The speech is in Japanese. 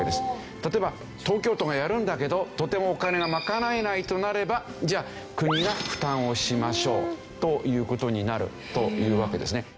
例えば東京都がやるんだけどとてもお金がまかなえないとなればじゃあ国が負担をしましょうという事になるというわけですね。